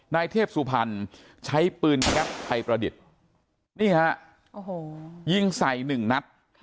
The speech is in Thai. นายเทพสุพรรณใช้ปืนแก๊ปไทยประดิษฐ์นี่ฮะโอ้โหยิงใส่หนึ่งนัด